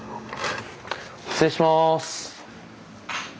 失礼します。